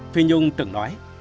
phi nhung từng nói